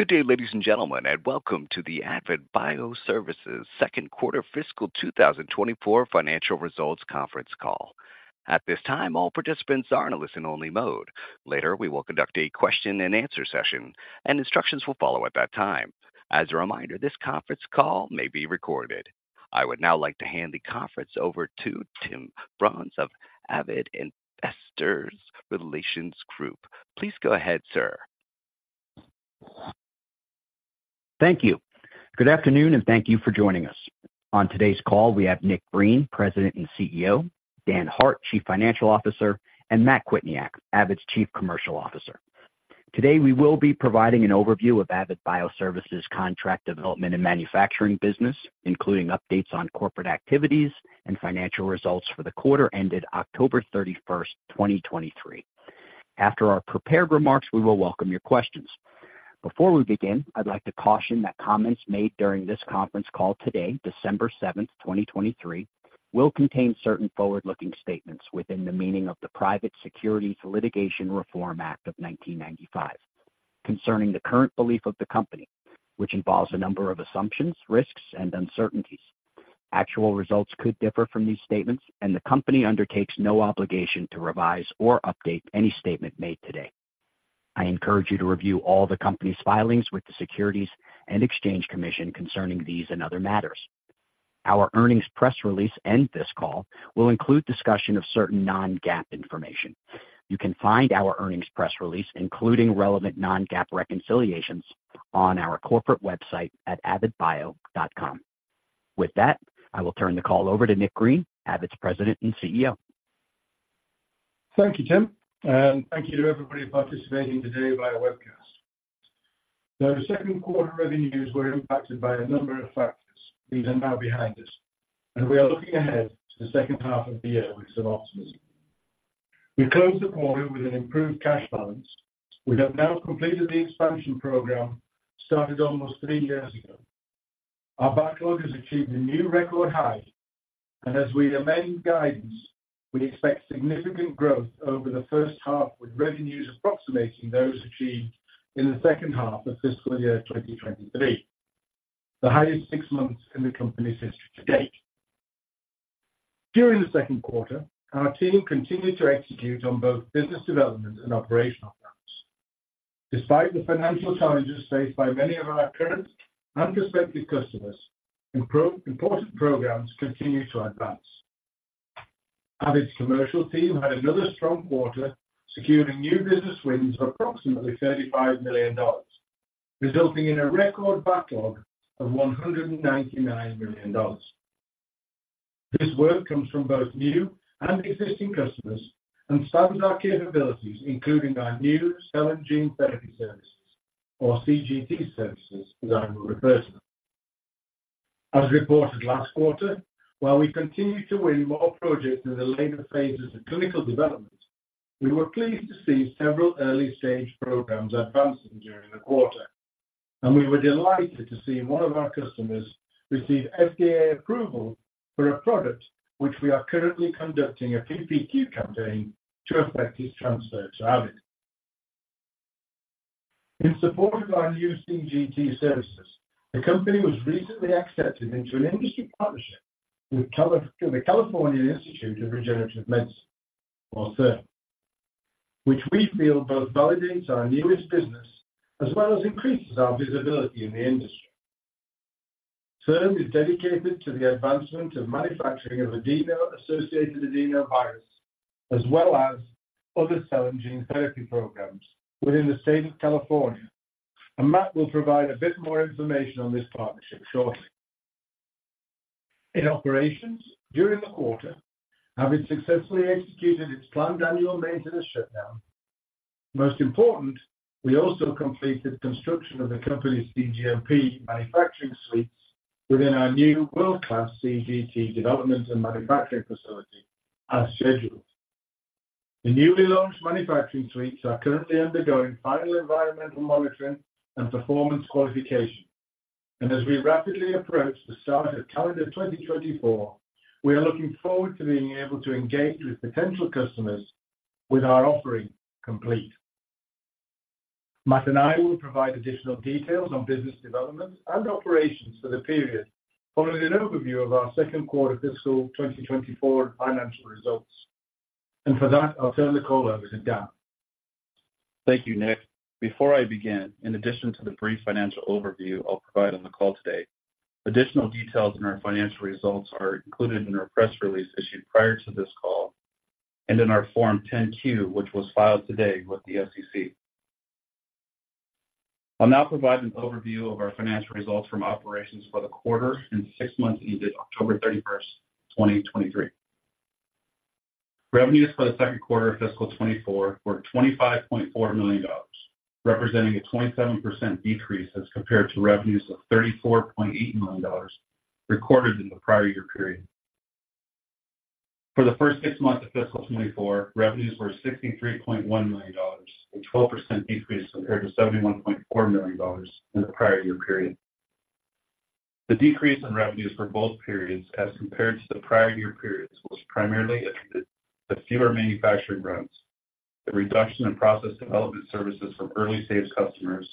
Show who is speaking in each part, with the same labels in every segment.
Speaker 1: Good day, ladies and gentlemen, and welcome to the Avid Bioservices second quarter fiscal 2024 financial results conference call. At this time, all participants are in a listen-only mode. Later, we will conduct a question-and-answer session, and instructions will follow at that time. As a reminder, this conference call may be recorded. I would now like to hand the conference over to Tim Brons of Avid Investor Relations Group. Please go ahead, sir.
Speaker 2: Thank you. Good afternoon, and thank you for joining us. On today's call, we have Nick Green, President and CEO, Dan Hart, Chief Financial Officer, and Matt Kwietniak, Avid's Chief Commercial Officer. Today, we will be providing an overview of Avid Bioservices contract development and manufacturing business, including updates on corporate activities and financial results for the quarter ended October 31, 2023. After our prepared remarks, we will welcome your questions. Before we begin, I'd like to caution that comments made during this conference call today, December 7, 2023, will contain certain forward-looking statements within the meaning of the Private Securities Litigation Reform Act of 1995, concerning the current belief of the company, which involves a number of assumptions, risks, and uncertainties. Actual results could differ from these statements, and the company undertakes no obligation to revise or update any statement made today. I encourage you to review all the company's filings with the Securities and Exchange Commission concerning these and other matters. Our earnings press release and this call will include discussion of certain non-GAAP information. You can find our earnings press release, including relevant non-GAAP reconciliations, on our corporate website at avidbio.com. With that, I will turn the call over to Nick Green, Avid's President and CEO.
Speaker 3: Thank you, Tim, and thank you to everybody participating today via webcast. Now, the second quarter revenues were impacted by a number of factors. These are now behind us, and we are looking ahead to the second half of the year with some optimism. We closed the quarter with an improved cash balance. We have now completed the expansion program started almost three years ago. Our backlog has achieved a new record high, and as we amend guidance, we expect significant growth over the first half, with revenues approximating those achieved in the second half of fiscal year 2023, the highest six months in the company's history to date. During the second quarter, our team continued to execute on both business development and operational plans. Despite the financial challenges faced by many of our current and prospective customers, important programs continued to advance. Avid's commercial team had another strong quarter, securing new business wins of approximately $35 million, resulting in a record backlog of $199 million. This work comes from both new and existing customers and spans our capabilities, including our new cell and gene therapy services, or CGT services, as I will refer to them. As reported last quarter, while we continued to win more projects in the later phases of clinical development, we were pleased to see several early-stage programs advancing during the quarter, and we were delighted to see one of our customers receive FDA approval for a product which we are currently conducting a PPQ campaign to effect its transfer to Avid. In support of our new CGT services, the company was recently accepted into an industry partnership with the California Institute of Regenerative Medicine, or CIRM, which we feel both validates our newest business as well as increases our visibility in the industry. CIRM is dedicated to the advancement of manufacturing of adeno-associated virus, as well as other cell and gene therapy programs within the state of California, and Matt will provide a bit more information on this partnership shortly. In operations during the quarter, having successfully executed its planned annual maintenance shutdown, most important, we also completed construction of the company's cGMP manufacturing suites within our new world-class CGT development and manufacturing facility as scheduled. The newly launched manufacturing suites are currently undergoing final environmental monitoring and performance qualification, and as we rapidly approach the start of calendar 2024, we are looking forward to being able to engage with potential customers with our offering complete. Matt and I will provide additional details on business development and operations for the period, following an overview of our second quarter fiscal 2024 financial results, and for that, I'll turn the call over to Dan.
Speaker 4: Thank you, Nick. Before I begin, in addition to the brief financial overview I'll provide on the call today, additional details in our financial results are included in our press release issued prior to this call and in our Form 10-Q, which was filed today with the SEC. I'll now provide an overview of our financial results from operations for the quarter and six months ended October 31, 2023. Revenues for the second quarter of fiscal 2024 were $25.4 million, representing a 27% decrease as compared to revenues of $34.8 million recorded in the prior year period. For the first six months of fiscal 2024, revenues were $63.1 million, a 12% decrease compared to $71.4 million in the prior year period. The decrease in revenues for both periods as compared to the prior year periods, was primarily attributed to fewer manufacturing runs, the reduction in process development services from early-stage customers,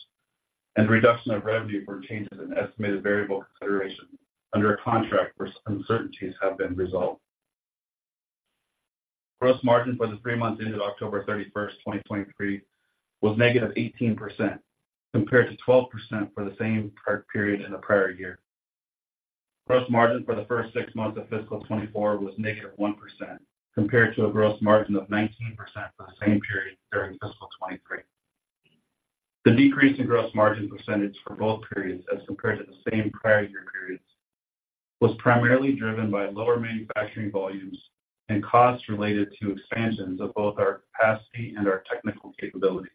Speaker 4: and reduction of revenue for changes in estimated variable consideration under a contract where uncertainties have been resolved. Gross margin for the three months ended October 31, 2023, was -18%, compared to 12% for the same period in the prior year. Gross margin for the first six months of fiscal 2024 was -1%, compared to a gross margin of 19% for the same period during fiscal 2023. The decrease in gross margin percentage for both periods as compared to the same prior year periods, was primarily driven by lower manufacturing volumes and costs related to expansions of both our capacity and our technical capabilities.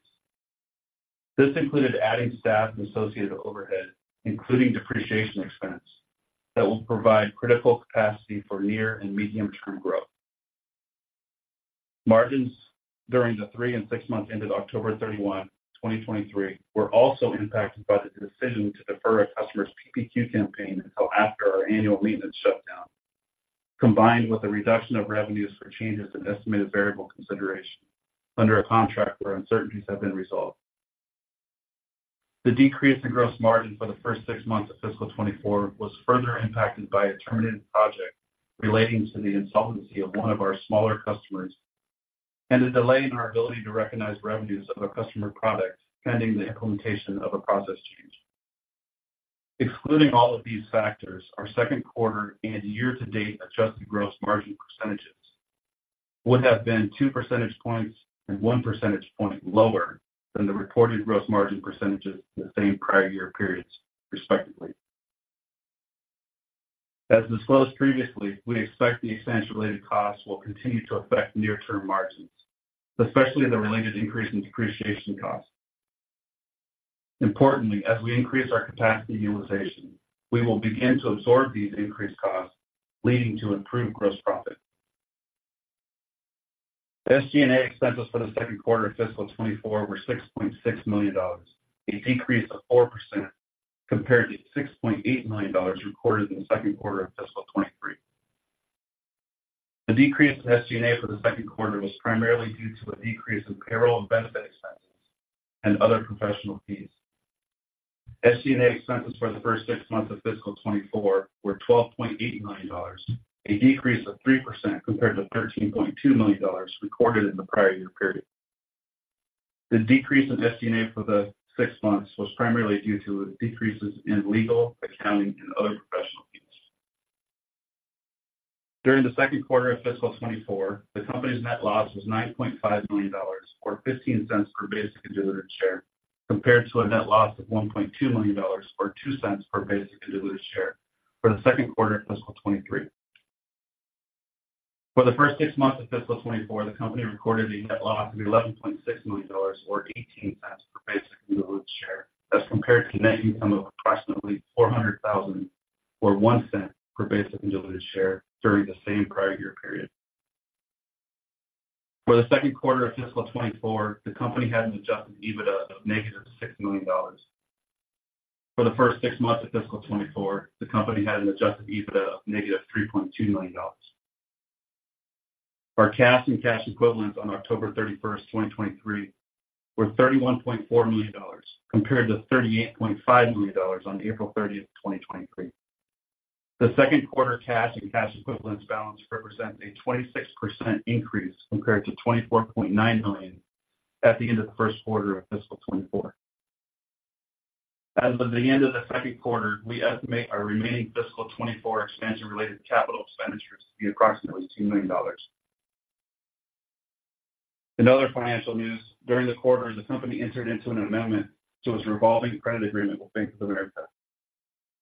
Speaker 4: This included adding staff and associated overhead, including depreciation expense, that will provide critical capacity for near and medium-term growth. Margins during the three and six months ended October 31, 2023, were also impacted by the decision to defer a customer's PPQ campaign until after our annual maintenance shutdown, combined with a reduction of revenues for changes in estimated variable consideration under a contract where uncertainties have been resolved. The decrease in gross margin for the first six months of fiscal 2024 was further impacted by a terminated project relating to the insolvency of one of our smaller customers, and a delay in our ability to recognize revenues of a customer product pending the implementation of a process change. Excluding all of these factors, our second quarter and year-to-date adjusted gross margin percentages would have been two percentage points and one percentage point lower than the reported gross margin percentages for the same prior year periods, respectively. As disclosed previously, we expect the expansion-related costs will continue to affect near-term margins, especially the related increase in depreciation costs. Importantly, as we increase our capacity utilization, we will begin to absorb these increased costs, leading to improved gross profit. SG&A expenses for the second quarter of fiscal 2024 were $6.6 million, a decrease of 4% compared to $6.8 million recorded in the second quarter of fiscal 2023. The decrease in SG&A for the second quarter was primarily due to a decrease in payroll and benefit expenses and other professional fees. SG&A expenses for the first six months of fiscal 2024 were $12.8 million, a decrease of 3% compared to $13.2 million recorded in the prior year period. The decrease in SG&A for the six months was primarily due to decreases in legal, accounting, and other professional fees. During the second quarter of fiscal 2024, the company's net loss was $9.5 million, or $0.15 per basic and diluted share, compared to a net loss of $1.2 million, or $0.02 per basic and diluted share for the second quarter of fiscal 2023. For the first six months of fiscal 2024, the company recorded a net loss of $11.6 million, or $0.18 per basic diluted share, as compared to net income of approximately $400,000, or $0.01 per basic and diluted share during the same prior year period. For the second quarter of fiscal 2024, the company had an Adjusted EBITDA of -$6 million. For the first six months of fiscal 2024, the company had an Adjusted EBITDA of -$3.2 million. Our cash and cash equivalents on October 31, 2023, were $31.4 million, compared to $38.5 million on April 30, 2023. The second quarter cash and cash equivalents balance represent a 26% increase compared to $24.9 million at the end of the first quarter of fiscal 2024. As of the end of the second quarter, we estimate our remaining fiscal 2024 expansion-related capital expenditures to be approximately $2 million. In other financial news, during the quarter, the company entered into an amendment to its revolving credit agreement with Bank of America.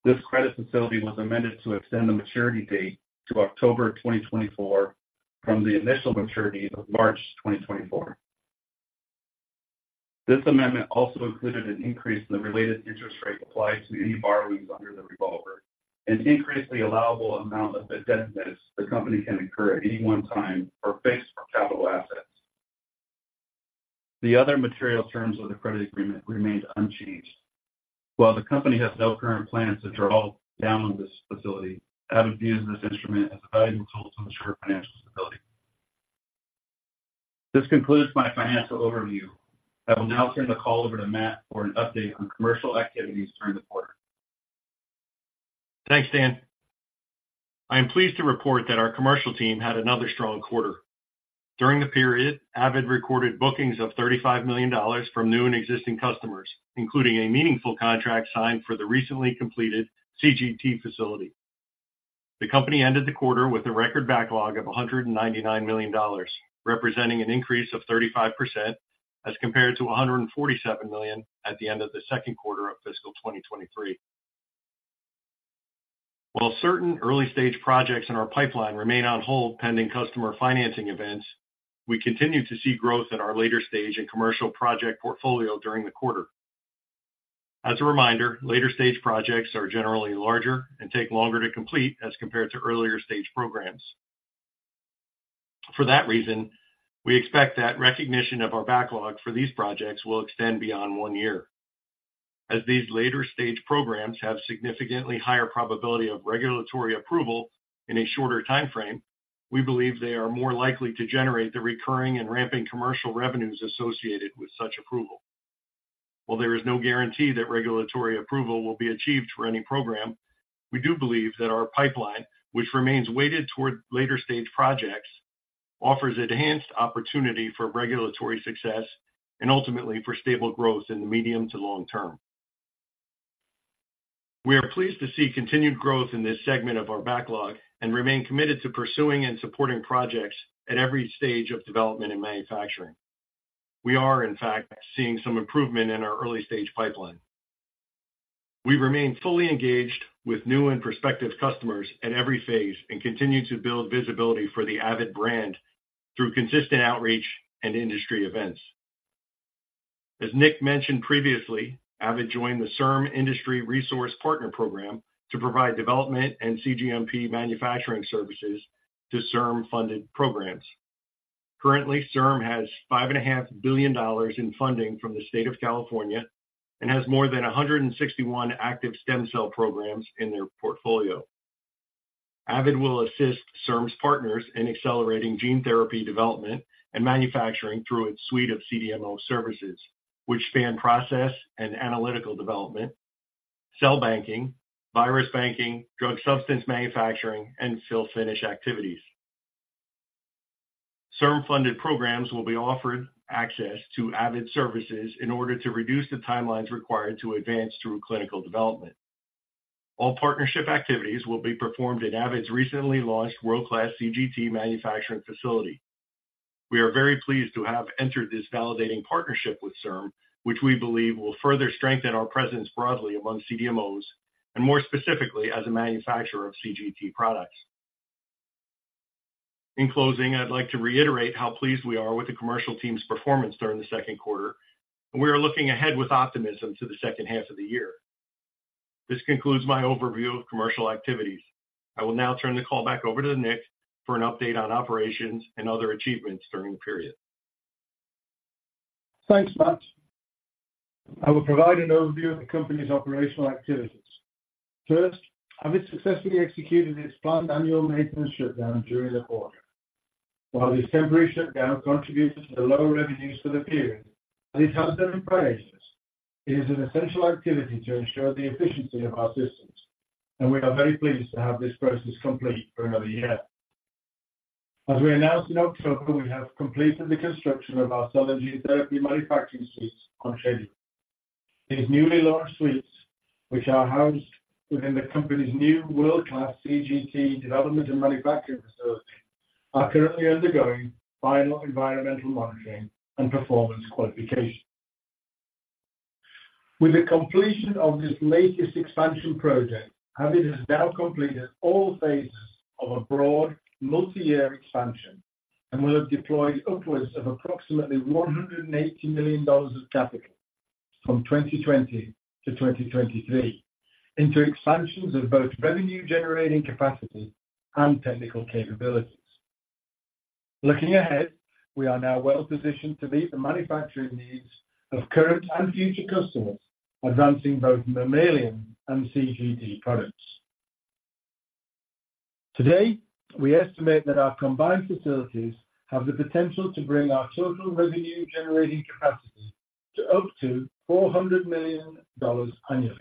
Speaker 4: This credit facility was amended to extend the maturity date to October 2024, from the initial maturity of March 2024. This amendment also included an increase in the related interest rate applied to any borrowings under the revolver and increased the allowable amount of indebtedness the company can incur at any one time for fixed or capital assets. The other material terms of the credit agreement remained unchanged. While the company has no current plans to draw down on this facility, Avid views this instrument as a valuable tool to ensure financial stability. This concludes my financial overview. I will now turn the call over to Matt for an update on commercial activities during the quarter.
Speaker 5: Thanks, Dan. I am pleased to report that our commercial team had another strong quarter. During the period, Avid recorded bookings of $35 million from new and existing customers, including a meaningful contract signed for the recently completed CGT facility. The company ended the quarter with a record backlog of $199 million, representing an increase of 35% as compared to $147 million at the end of the second quarter of fiscal 2023. While certain early-stage projects in our pipeline remain on hold pending customer financing events, we continue to see growth in our later stage and commercial project portfolio during the quarter. As a reminder, later-stage projects are generally larger and take longer to complete as compared to earlier-stage programs. For that reason, we expect that recognition of our backlog for these projects will extend beyond one year. As these later-stage programs have significantly higher probability of regulatory approval in a shorter time frame, we believe they are more likely to generate the recurring and ramping commercial revenues associated with such approval. While there is no guarantee that regulatory approval will be achieved for any program, we do believe that our pipeline, which remains weighted toward later-stage projects, offers enhanced opportunity for regulatory success and ultimately for stable growth in the medium to long term. We are pleased to see continued growth in this segment of our backlog and remain committed to pursuing and supporting projects at every stage of development and manufacturing. We are, in fact, seeing some improvement in our early-stage pipeline. We remain fully engaged with new and prospective customers at every phase and continue to build visibility for the Avid brand through consistent outreach and industry events. As Nick mentioned previously, Avid joined the CIRM Industry Resource Partner program to provide development and cGMP manufacturing services to CIRM-funded programs. Currently, CIRM has $5.5 billion in funding from the state of California and has more than 161 active stem cell programs in their portfolio. Avid will assist CIRM's partners in accelerating gene therapy development and manufacturing through its suite of CDMO services, which span process and analytical development, cell banking, virus banking, drug substance manufacturing, and fill-finish activities. CIRM-funded programs will be offered access to Avid's services in order to reduce the timelines required to advance through clinical development. All partnership activities will be performed in Avid's recently launched world-class CGT manufacturing facility. We are very pleased to have entered this validating partnership with CIRM, which we believe will further strengthen our presence broadly among CDMOs, and more specifically, as a manufacturer of CGT products. In closing, I'd like to reiterate how pleased we are with the commercial team's performance during the second quarter, and we are looking ahead with optimism to the second half of the year. This concludes my overview of commercial activities. I will now turn the call back over to Nick for an update on operations and other achievements during the period.
Speaker 3: Thanks, Matt. I will provide an overview of the company's operational activities. First, Avid successfully executed its planned annual maintenance shutdown during the quarter. While this temporary shutdown contributed to the lower revenues for the period, and it has done in prior years, it is an essential activity to ensure the efficiency of our systems, and we are very pleased to have this process complete for another year. As we announced in October, we have completed the construction of our cell and gene therapy manufacturing suites on schedule. These newly launched suites, which are housed within the company's new world-class CGT development and manufacturing facility, are currently undergoing final environmental monitoring and performance qualification. With the completion of this latest expansion project, Avid has now completed all phases of a broad, multi-year expansion and will have deployed upwards of approximately $180 million of capital from 2020 to 2023 into expansions of both revenue-generating capacity and technical capabilities. Looking ahead, we are now well positioned to meet the manufacturing needs of current and future customers, advancing both mammalian and CGT products. Today, we estimate that our combined facilities have the potential to bring our total revenue-generating capacity to up to $400 million annually,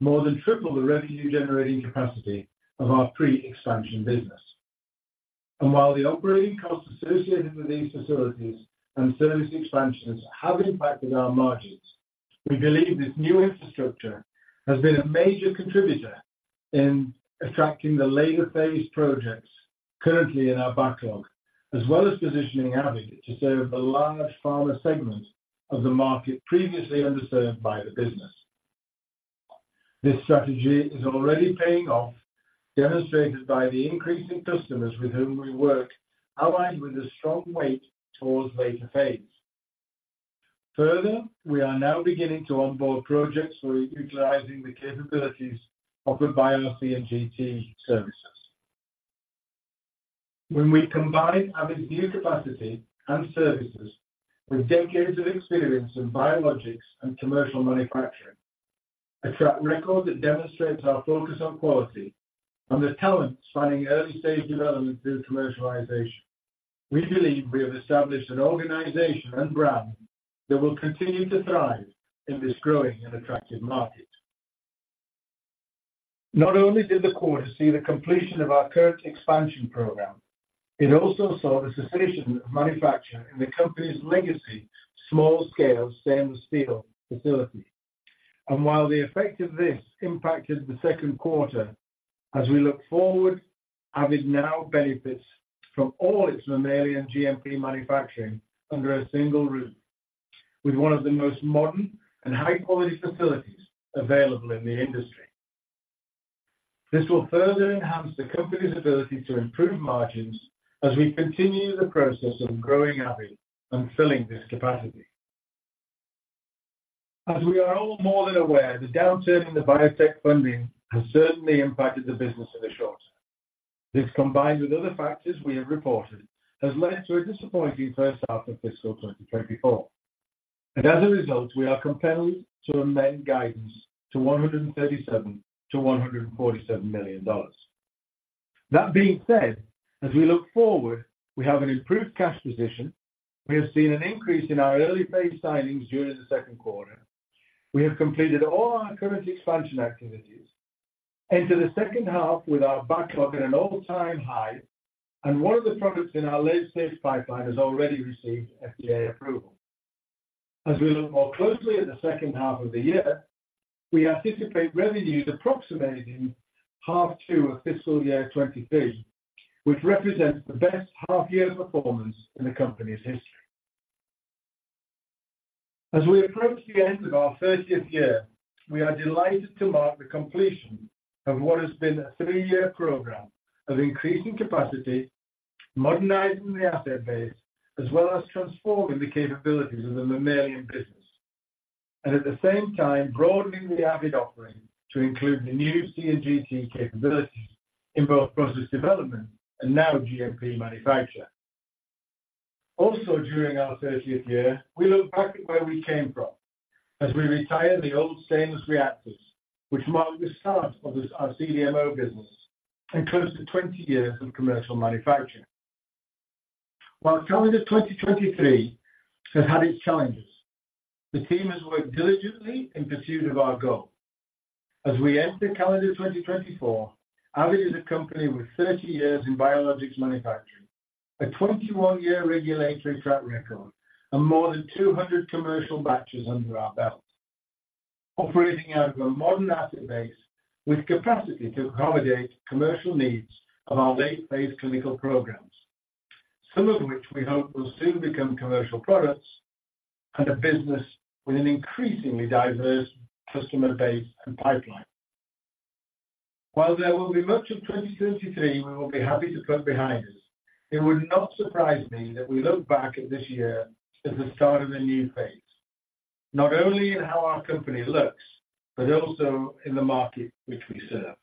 Speaker 3: more than triple the revenue-generating capacity of our pre-expansion business. While the operating costs associated with these facilities and service expansions have impacted our margins, we believe this new infrastructure has been a major contributor in attracting the later-phase projects currently in our backlog, as well as positioning Avid to serve the large pharma segment of the market previously underserved by the business. This strategy is already paying off, demonstrated by the increasing customers with whom we work, aligned with a strong weight towards later phase. Further, we are now beginning to onboard projects for utilizing the capabilities of the bio CGT services. When we combine Avid's new capacity and services with decades of experience in biologics and commercial manufacturing, a track record that demonstrates our focus on quality and the talent spanning early-stage development through commercialization, we believe we have established an organization and brand that will continue to thrive in this growing and attractive market. Not only did the quarter see the completion of our current expansion program, it also saw the cessation of manufacture in the company's legacy small-scale stainless steel facility. And while the effect of this impacted the second quarter, as we look forward, Avid now benefits from all its mammalian GMP manufacturing under a single roof, with one of the most modern and high-quality facilities available in the industry. This will further enhance the company's ability to improve margins as we continue the process of growing Avid and filling this capacity....As we are all more than aware, the downturn in the biotech funding has certainly impacted the business in the short term. This, combined with other factors we have reported, has led to a disappointing first half of fiscal 2024. As a result, we are compelled to amend guidance to $137 million-$147 million. That being said, as we look forward, we have an improved cash position. We have seen an increase in our early-phase signings during the second quarter. We have completed all our current expansion activities, enter the second half with our backlog at an all-time high, and one of the products in our late-stage pipeline has already received FDA approval. As we look more closely at the second half of the year, we anticipate revenues approximating half two of fiscal year 2023, which represents the best half-year performance in the company's history. As we approach the end of our 30th year, we are delighted to mark the completion of what has been a 3-year program of increasing capacity, modernizing the asset base, as well as transforming the capabilities of the mammalian business, and at the same time, broadening the Avid offering to include the new CGT capabilities in both process development and now GMP manufacture. Also, during our 30th year, we look back at where we came from as we retire the old stainless reactors, which marked the start of this, our CDMO business and close to 20 years of commercial manufacturing. While calendar 2023 has had its challenges, the team has worked diligently in pursuit of our goal. As we enter calendar 2024, Avid is a company with 30 years in biologics manufacturing, a 21-year regulatory track record, and more than 200 commercial batches under our belt, operating out of a modern asset base with capacity to accommodate commercial needs of our late-phase clinical programs, some of which we hope will soon become commercial products, and a business with an increasingly diverse customer base and pipeline. While there will be much of 2023 we will be happy to put behind us, it would not surprise me that we look back at this year as the start of a new phase, not only in how our company looks, but also in the market which we serve.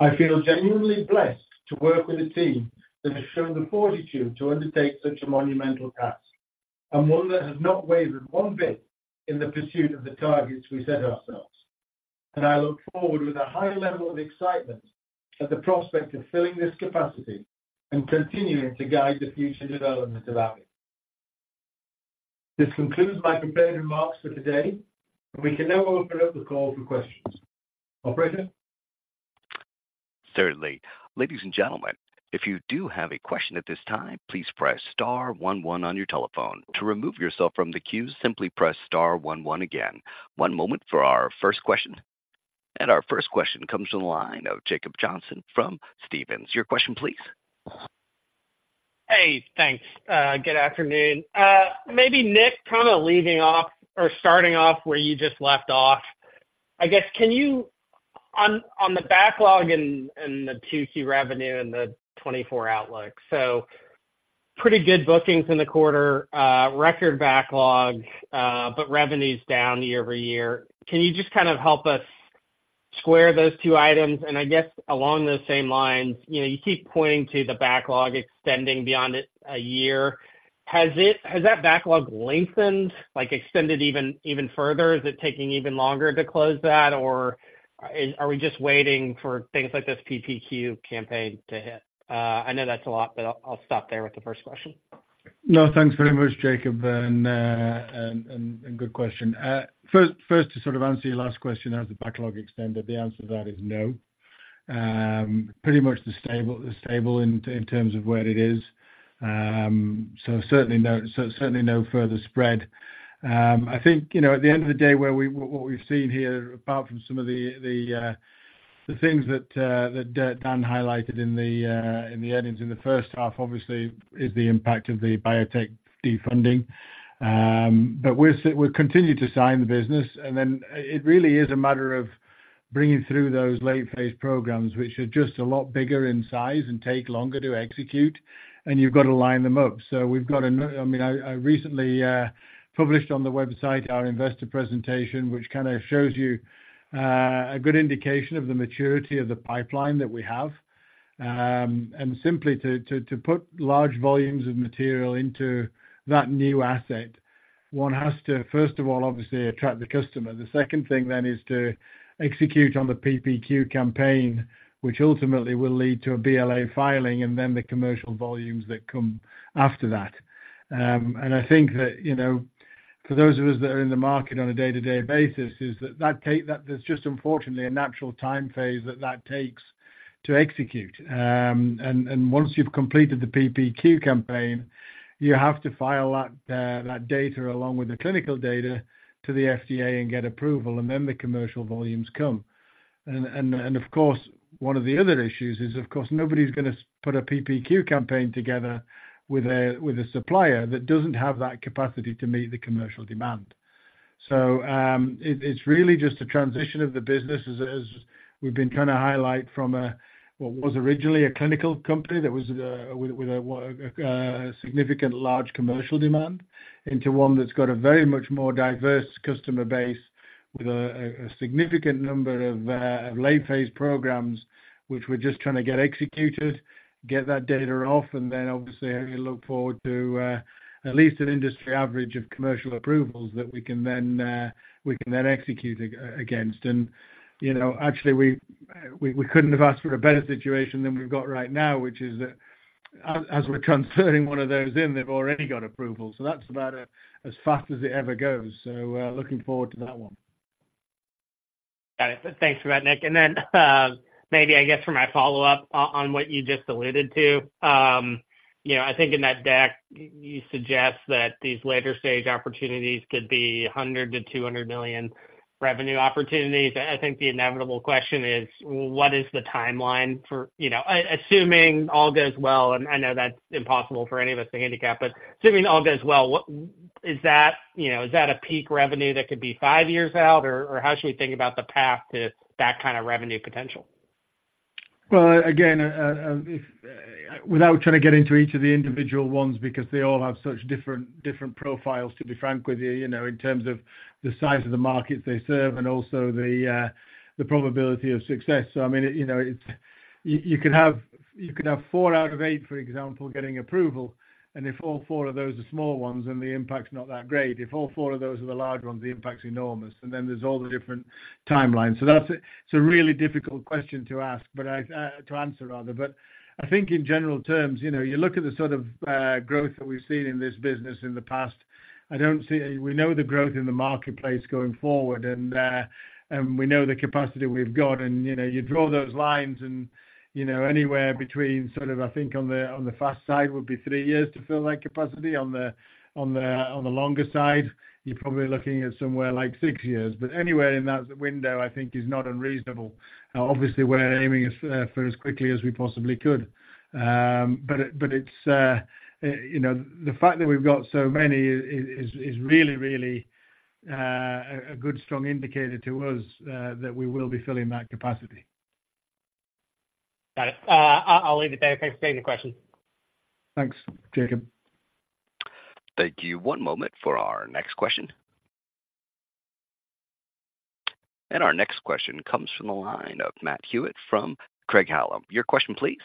Speaker 3: I feel genuinely blessed to work with a team that has shown the fortitude to undertake such a monumental task, and one that has not wavered one bit in the pursuit of the targets we set ourselves. I look forward with a high level of excitement at the prospect of filling this capacity and continuing to guide the future development of Avid. This concludes my prepared remarks for today, and we can now open up the call for questions. Operator?
Speaker 1: Certainly. Ladies and gentlemen, if you do have a question at this time, please press star one one on your telephone. To remove yourself from the queue, simply press star one one again. One moment for our first question. Our first question comes from the line of Jacob Johnson from Stephens. Your question, please.
Speaker 6: Hey, thanks. Good afternoon. Maybe, Nick, kind of leading off or starting off where you just left off, I guess, can you... On the backlog and the 2Q revenue and the 2024 outlook. So pretty good bookings in the quarter, record backlog, but revenue is down year-over-year. Can you just kind of help us square those two items? And I guess along those same lines, you know, you keep pointing to the backlog extending beyond a year. Has that backlog lengthened, like, extended even further? Is it taking even longer to close that, or are we just waiting for things like this PPQ campaign to hit? I know that's a lot, but I'll stop there with the first question.
Speaker 3: No, thanks very much, Jacob, and good question. First, to sort of answer your last question, has the backlog extended? The answer to that is no. Pretty much stable in terms of where it is. So certainly no further spread. I think, you know, at the end of the day, what we've seen here, apart from some of the things that Dan highlighted in the earnings in the first half, obviously, is the impact of the biotech defunding. But we're continuing to sign the business, and then it really is a matter of bringing through those late-phase programs, which are just a lot bigger in size and take longer to execute, and you've got to line them up. So we've got—I mean, I recently published on the website our investor presentation, which kind of shows you a good indication of the maturity of the pipeline that we have. And simply to put large volumes of material into that new asset, one has to, first of all, obviously, attract the customer. The second thing then is to execute on the PPQ campaign, which ultimately will lead to a BLA filing and then the commercial volumes that come after that. And I think that, you know, for those of us that are in the market on a day-to-day basis, is that there's just unfortunately a natural time phase that that takes to execute. Once you've completed the PPQ campaign, you have to file that data along with the clinical data to the FDA and get approval, and then the commercial volumes come. And of course, one of the other issues is, of course, nobody's gonna put a PPQ campaign together with a supplier that doesn't have that capacity to meet the commercial demand. So, it's really just a transition of the business, as we've been trying to highlight from what was originally a clinical company that was with a significant large commercial demand....
Speaker 7: into one that's got a very much more diverse customer base with a significant number of late phase programs, which we're just trying to get executed, get that data off, and then obviously, I really look forward to at least an industry average of commercial approvals that we can then execute against. And, you know, actually, we couldn't have asked for a better situation than we've got right now, which is that as we're converting one of those in, they've already got approval. So that's about as fast as it ever goes. So, looking forward to that one.
Speaker 6: Got it. Thanks for that, Nick. And then, maybe I guess for my follow-up on what you just alluded to. You know, I think in that deck, you suggest that these later-stage opportunities could be $100-$200 million revenue opportunities. I think the inevitable question is: well, what is the timeline for... You know, assuming all goes well, and I know that's impossible for any of us to handicap, but assuming all goes well, what, is that, you know, is that a peak revenue that could be five years out, or, or how should we think about the path to that kind of revenue potential?
Speaker 7: Well, again, if, without trying to get into each of the individual ones, because they all have such different profiles, to be frank with you, you know, in terms of the size of the markets they serve and also the probability of success. So I mean, you know, it's. You could have 4 out of 8, for example, getting approval, and if all 4 of those are small ones, then the impact's not that great. If all 4 of those are the large ones, the impact's enormous, and then there's all the different timelines. So that's, it's a really difficult question to ask, but to answer, rather. But I think in general terms, you know, you look at the sort of growth that we've seen in this business in the past. I don't see... We know the growth in the marketplace going forward, and we know the capacity we've got, and, you know, you draw those lines and, you know, anywhere between sort of, I think, on the fast side would be 3 years to fill that capacity. On the longer side, you're probably looking at somewhere like 6 years. But anywhere in that window, I think, is not unreasonable. Obviously, we're aiming as for as quickly as we possibly could. But it's, you know, the fact that we've got so many is really, really a good strong indicator to us that we will be filling that capacity.
Speaker 6: Got it. I'll leave it there. Thanks for taking the question.
Speaker 7: Thanks, Jacob.
Speaker 1: Thank you. One moment for our next question. Our next question comes from the line of Matt Hewitt from Craig-Hallum. Your question, please.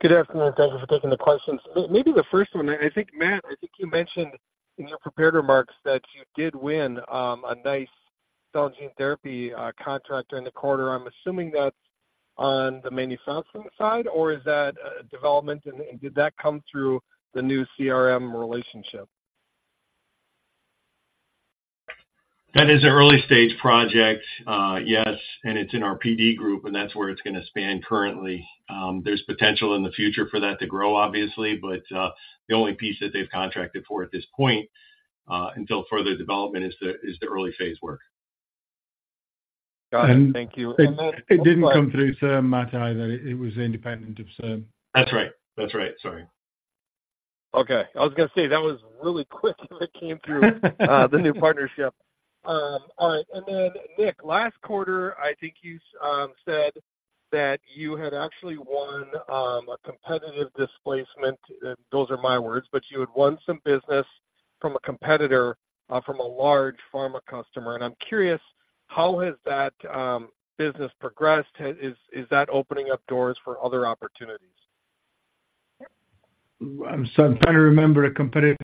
Speaker 8: Good afternoon. Thank you for taking the questions. Maybe the first one, I think, Matt, I think you mentioned in your prepared remarks that you did win a nice cell gene therapy contract during the quarter. I'm assuming that's on the manufacturing side, or is that development, and did that come through the new CIRM relationship?
Speaker 5: That is an early-stage project. Yes, and it's in our PD group, and that's where it's going to span currently. There's potential in the future for that to grow, obviously, but the only piece that they've contracted for at this point, until further development is the early phase work.
Speaker 8: Got it. Thank you.
Speaker 7: It didn't come through CIRM, Matt, either. It was independent of CIRM.
Speaker 5: That's right. That's right. Sorry.
Speaker 8: Okay. I was going to say that was really quick that came through, the new partnership. All right, and then Nick, last quarter, I think you said that you had actually won a competitive displacement. Those are my words, but you had won some business from a competitor from a large pharma customer. And I'm curious, how has that business progressed? Is that opening up doors for other opportunities?
Speaker 7: I'm trying to remember a competitor.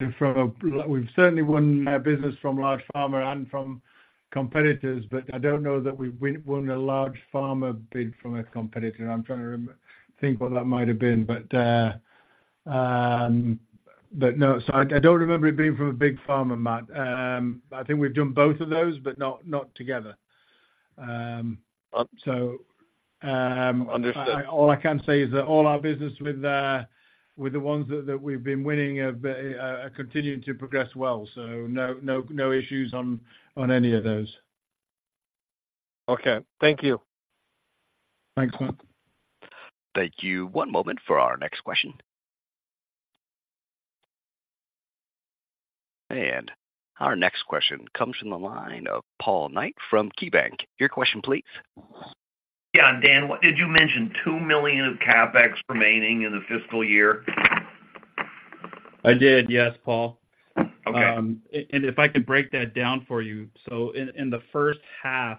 Speaker 7: We've certainly won business from large pharma and from competitors, but I don't know that we've won a large pharma bid from a competitor. I'm trying to think what that might have been, but no. So I don't remember it being from a big pharma, Matt. I think we've done both of those, but not together. So
Speaker 8: Understood.
Speaker 7: All I can say is that all our business with, with the ones that, that we've been winning have, are continuing to progress well. So no, no, no issues on, on any of those.
Speaker 8: Okay. Thank you.
Speaker 7: Thanks, Matt.
Speaker 1: Thank you. One moment for our next question. Our next question comes from the line of Paul Knight from KeyBanc. Your question, please.
Speaker 9: Yeah, Dan, what did you mention, $2 million of CapEx remaining in the fiscal year?
Speaker 4: I did. Yes, Paul.
Speaker 9: Okay.
Speaker 4: And if I could break that down for you. So in the first half,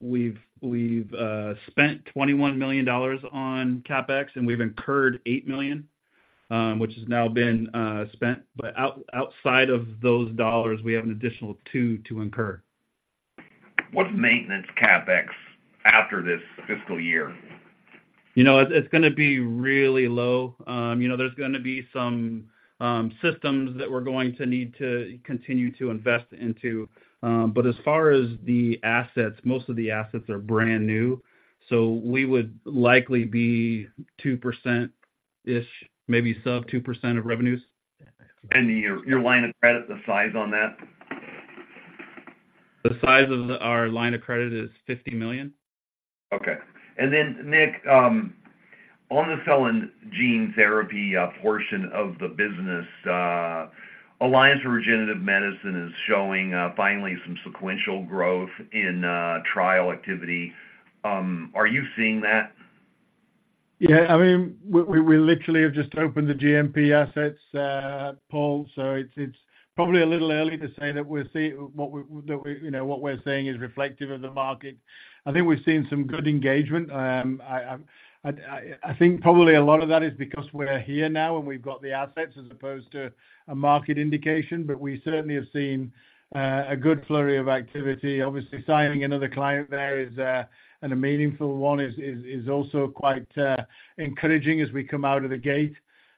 Speaker 4: we've spent $21 million on CapEx, and we've incurred $8 million, which has now been spent. But outside of those dollars, we have an additional $2 million to incur.
Speaker 9: What's maintenance CapEx after this fiscal year?
Speaker 4: You know, it's going to be really low. You know, there's going to be some systems that we're going to need to continue to invest into. But as far as the assets, most of the assets are brand new, so we would likely be 2%-ish, maybe sub 2% of revenues.
Speaker 9: Your line of credit, the size on that?
Speaker 4: The size of our line of credit is $50 million.
Speaker 9: Okay. Then, Nick, on the cell and gene therapy portion of the business, Alliance for Regenerative Medicine is showing finally some sequential growth in trial activity. Are you seeing that? ...
Speaker 7: Yeah, I mean, we literally have just opened the GMP assets Paul, so it's probably a little early to say that what we're seeing is reflective of the market. I think we've seen some good engagement. I think probably a lot of that is because we're here now and we've got the assets as opposed to a market indication. But we certainly have seen a good flurry of activity. Obviously, signing another client there, and a meaningful one, is also quite encouraging as we come out of the gate.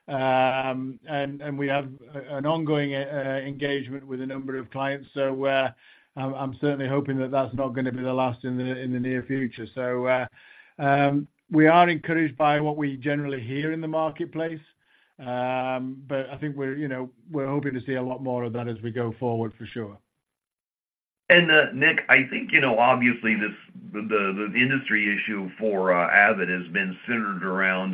Speaker 7: And we have an ongoing engagement with a number of clients. So I'm certainly hoping that that's not gonna be the last in the near future. We are encouraged by what we generally hear in the marketplace. But I think we're, you know, we're hoping to see a lot more of that as we go forward, for sure.
Speaker 9: Nick, I think, you know, obviously, the industry issue for Avid has been centered around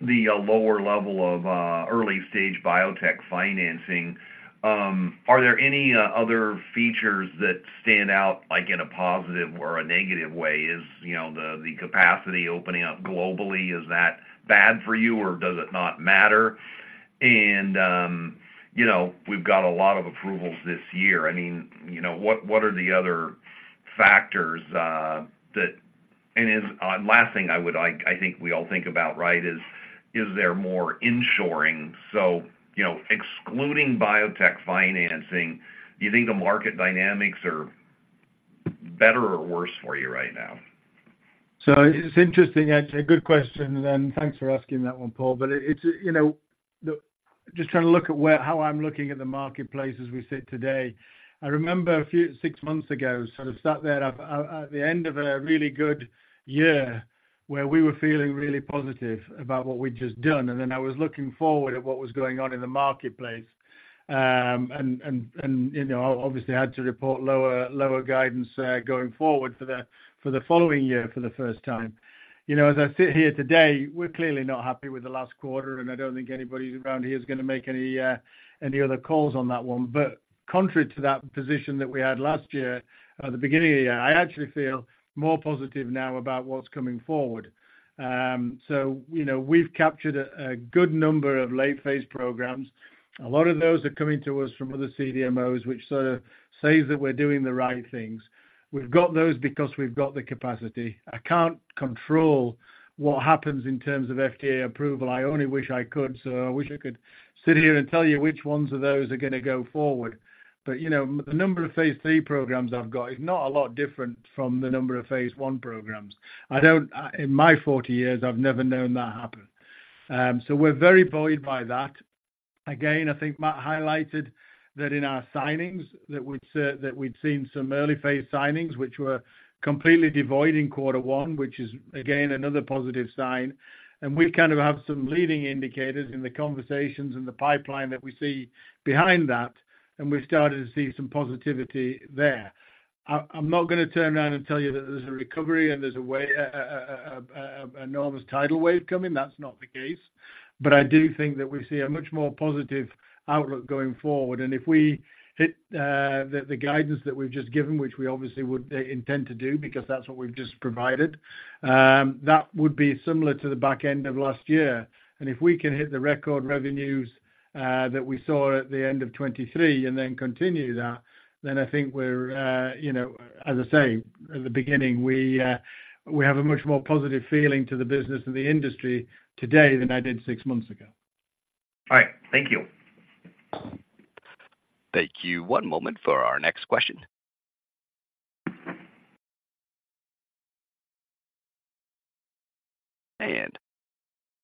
Speaker 9: the lower level of early-stage biotech financing. Are there any other features that stand out, like in a positive or a negative way? You know, the capacity opening up globally, is that bad for you, or does it not matter? And, you know, we've got a lot of approvals this year. I mean, you know, what are the other factors that... And as-- last thing I would like, I think we all think about, right, is there more inshoring? So, you know, excluding biotech financing, do you think the market dynamics are better or worse for you right now?
Speaker 7: So it's interesting. That's a good question, and thanks for asking that one, Paul. But it's, you know, just trying to look at where, how I'm looking at the marketplace as we sit today. I remember a few six months ago, sort of sat there at the end of a really good year, where we were feeling really positive about what we'd just done, and then I was looking forward at what was going on in the marketplace. You know, obviously had to report lower guidance going forward for the following year, for the first time. You know, as I sit here today, we're clearly not happy with the last quarter, and I don't think anybody around here is gonna make any other calls on that one. But contrary to that position that we had last year, at the beginning of the year, I actually feel more positive now about what's coming forward. So, you know, we've captured a, a good number of late phase programs. A lot of those are coming to us from other CDMOs, which sort of says that we're doing the right things. We've got those because we've got the capacity. I can't control what happens in terms of FDA approval. I only wish I could, so I wish I could sit here and tell you which ones of those are gonna go forward. But, you know, the number of phase 3 programs I've got is not a lot different from the number of phase 1 programs. I don't, in my 40 years, I've never known that happen. So we're very buoyed by that. Again, I think Matt highlighted that in our signings, that we'd said, that we'd seen some early-phase signings, which were completely devoid in quarter one, which is, again, another positive sign. And we kind of have some leading indicators in the conversations and the pipeline that we see behind that, and we've started to see some positivity there. I'm not gonna turn around and tell you that there's a recovery and there's a way, an enormous tidal wave coming, that's not the case. But I do think that we see a much more positive outlook going forward. And if we hit the guidance that we've just given, which we obviously would intend to do because that's what we've just provided, that would be similar to the back end of last year. If we can hit the record revenues that we saw at the end of 2023 and then continue that, then I think we're, you know, as I say at the beginning, we have a much more positive feeling to the business and the industry today than I did six months ago.
Speaker 9: All right. Thank you.
Speaker 1: Thank you. One moment for our next question.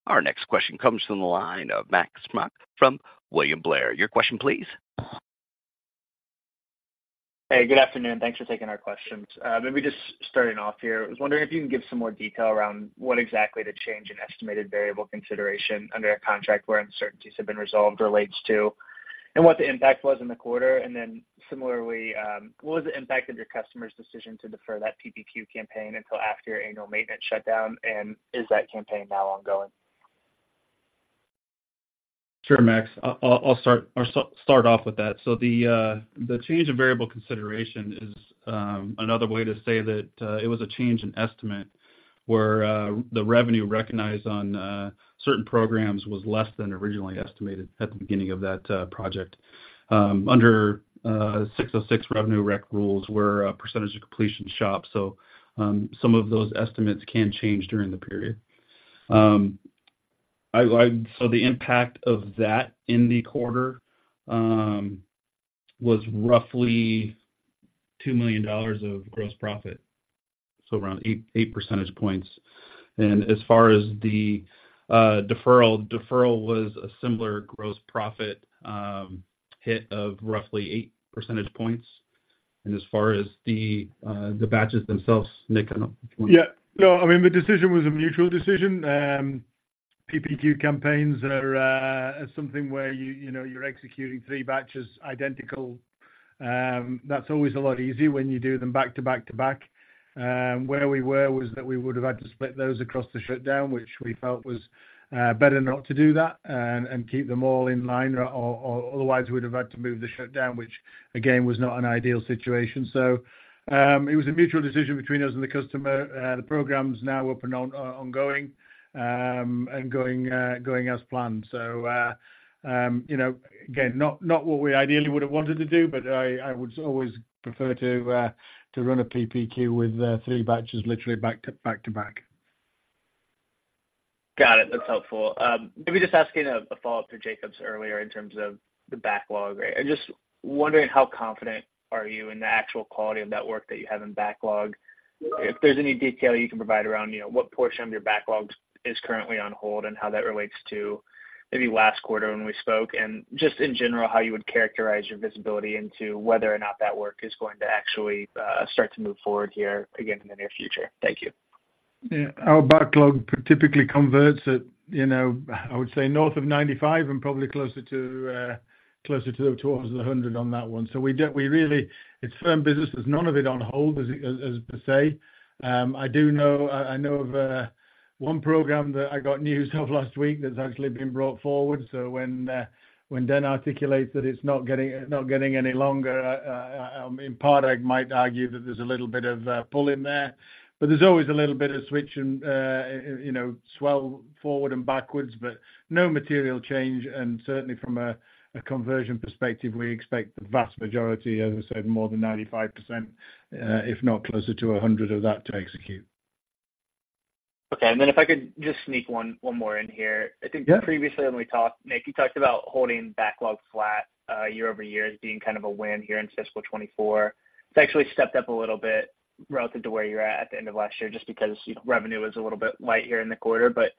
Speaker 1: Our next question comes from the line of Max Smock from William Blair. Your question, please.
Speaker 10: Hey, good afternoon. Thanks for taking our questions. Maybe just starting off here, I was wondering if you can give some more detail around what exactly the change in estimated variable consideration under a contract where uncertainties have been resolved relates to, and what the impact was in the quarter. And then similarly, what was the impact of your customer's decision to defer that PPQ campaign until after your annual maintenance shutdown, and is that campaign now ongoing?
Speaker 4: Sure, Max. I'll start off with that. So the change in variable consideration is another way to say that it was a change in estimate, where the revenue recognized on certain programs was less than originally estimated at the beginning of that project. Under 606 revenue rec rules, we're a percentage of completion shop, so some of those estimates can change during the period. So the impact of that in the quarter was roughly $2 million of gross profit, so around 8 percentage points. And as far as the deferral, deferral was a similar gross profit hit of roughly 8 percentage points. And as far as the batches themselves, Nick, I don't know if you want-
Speaker 7: Yeah. No, I mean, the decision was a mutual decision. PPQ campaigns are something where you, you know, you're executing three batches. That's always a lot easier when you do them back to back to back. Where we were was that we would have had to split those across the shutdown, which we felt was better not to do that and keep them all in line, or otherwise, we'd have had to move the shutdown, which, again, was not an ideal situation. So, it was a mutual decision between us and the customer. The program's now up and on, ongoing, and going as planned. So, you know, again, not, not what we ideally would have wanted to do but I, I would always prefer to run a PPQ with 3 batches literally back to back to back.
Speaker 10: Got it. That's helpful. Maybe just asking a follow-up to Jacob's earlier in terms of the backlog. I'm just wondering, how confident are you in the actual quality of that work that you have in backlog? If there's any detail you can provide around, you know, what portion of your backlog is currently on hold, and how that relates to maybe last quarter when we spoke, and just in general, how you would characterize your visibility into whether or not that work is going to actually start to move forward here again in the near future. Thank you.
Speaker 7: Yeah. Our backlog typically converts at, you know, I would say north of 95 and probably closer to towards the 100 on that one. So we don't—We really... It's firm businesses, none of it on hold, as per se. I do know of one program that I got news of last week that's actually been brought forward. So when Dan articulates that it's not getting any longer, in part, I might argue that there's a little bit of pull in there, but there's always a little bit of switch and, you know, swell forward and backwards, but no material change, and certainly from a conversion perspective, we expect the vast majority, as I said, more than 95%, if not closer to a 100 of that to execute.
Speaker 10: Okay. And then if I could just sneak one, one more in here.
Speaker 7: Yeah.
Speaker 10: I think previously when we talked, Nick, you talked about holding backlog flat, year over year as being kind of a win here in fiscal 2024. It's actually stepped up a little bit relative to where you're at the end of last year, just because revenue was a little bit light here in the quarter. But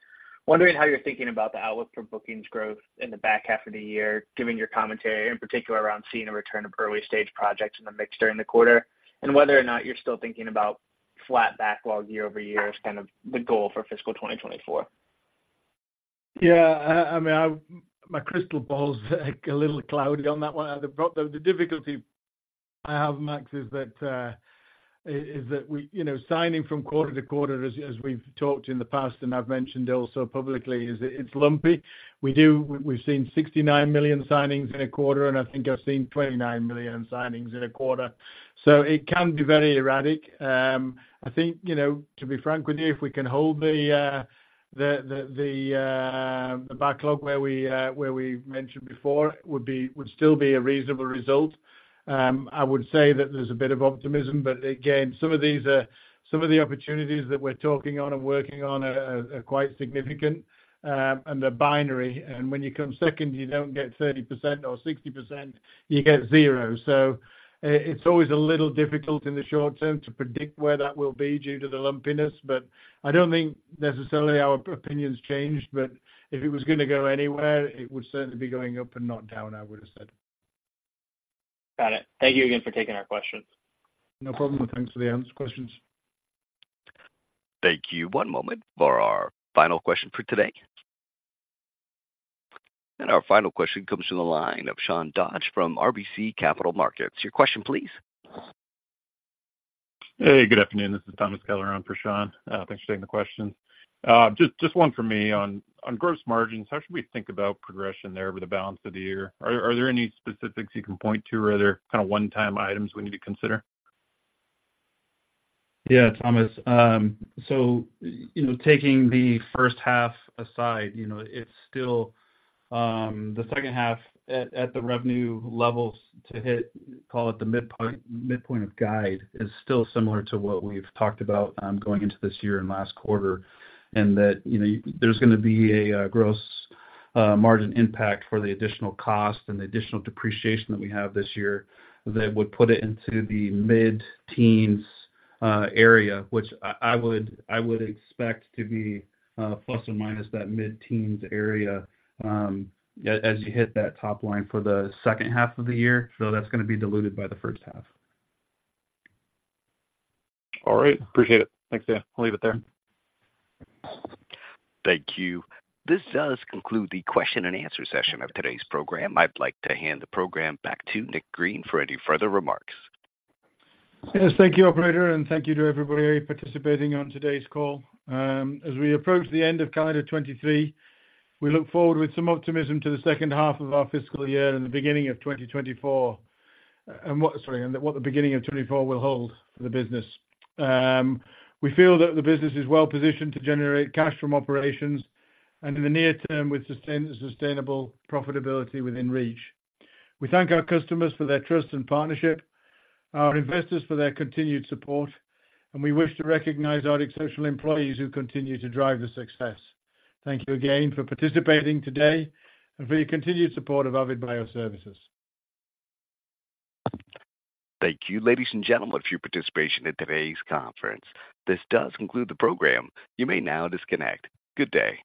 Speaker 10: wondering how you're thinking about the outlook for bookings growth in the back half of the year, given your commentary, in particular, around seeing a return of early-stage projects in the mix during the quarter, and whether or not you're still thinking about flat backlog year over year as kind of the goal for fiscal 2024.
Speaker 7: Yeah, I mean, I, my crystal ball's a little cloudy on that one. The difficulty I have, Max, is that we-- you know, signing from quarter to quarter, as we've talked in the past, and I've mentioned also publicly, is it's lumpy. We've seen $69 million signings in a quarter, and I think I've seen $29 million signings in a quarter, so it can be very erratic. I think, you know, to be frank with you, if we can hold the backlog where we mentioned before, it would still be a reasonable result. I would say that there's a bit of optimism, but again, some of these, some of the opportunities that we're talking on and working on are quite significant, and they're binary. When you come second, you don't get 30% or 60%, you get zero. So it's always a little difficult in the short term to predict where that will be due to the lumpiness, but I don't think necessarily our opinions changed, but if it was gonna go anywhere, it would certainly be going up and not down, I would have said.
Speaker 10: Got it. Thank you again for taking our questions.
Speaker 7: No problem. Thanks for the questions.
Speaker 1: Thank you. One moment for our final question for today. Our final question comes from the line of Sean Dodge from RBC Capital Markets. Your question, please.
Speaker 11: Hey, good afternoon. This is Thomas Keller on for Sean. Thanks for taking the question. Just one for me on gross margins. How should we think about progression there over the balance of the year? Are there any specifics you can point to, or are there kind of one-time items we need to consider?
Speaker 4: Yeah, Thomas. So, you know, taking the first half aside, you know, it's still, the second half at, at the revenue levels to hit, call it the midpoint, midpoint of guide, is still similar to what we've talked about, going into this year and last quarter. And that, you know, there's gonna be a, gross, margin impact for the additional cost and the additional depreciation that we have this year that would put it into the mid-teens, area, which I, I would, I would expect to be, plus or minus that mid-teens area, as you hit that top line for the second half of the year. So that's gonna be diluted by the first half.
Speaker 11: All right, appreciate it. Thanks, Dan. I'll leave it there.
Speaker 1: Thank you. This does conclude the question and answer session of today's program. I'd like to hand the program back to Nick Green for any further remarks.
Speaker 7: Yes, thank you, operator, and thank you to everybody participating on today's call. As we approach the end of calendar 2023, we look forward with some optimism to the second half of our fiscal year and the beginning of 2024, and what the beginning of 2024 will hold for the business. We feel that the business is well positioned to generate cash from operations and in the near term, with sustainable profitability within reach. We thank our customers for their trust and partnership, our investors for their continued support, and we wish to recognize our exceptional employees who continue to drive the success. Thank you again for participating today and for your continued support of Avid Bioservices.
Speaker 1: Thank you, ladies and gentlemen, for your participation in today's conference. This does conclude the program. You may now disconnect. Good day.